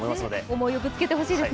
思いをぶつけてほしいです。